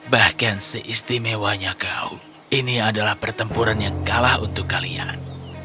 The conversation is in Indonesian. bahkan seistimewanya kau ini adalah pertempuran yang kalah untuk kalian